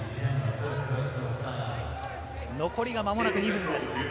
残りが間もなく２分です。